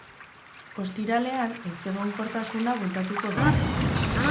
Ostiralean ezegonkortsuna bueltatuko da.